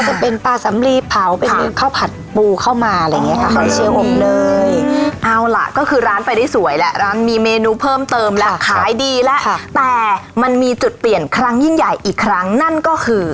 จะเป็นปลาสำลีเผาเป็นข้าวผัดปูเข้ามาอะไรอย่างเงี้ค่ะเขาเชียร์ผมเลยเอาล่ะก็คือร้านไปได้สวยแล้วร้านมีเมนูเพิ่มเติมแล้วขายดีแล้วแต่มันมีจุดเปลี่ยนครั้งยิ่งใหญ่อีกครั้งนั่นก็คือ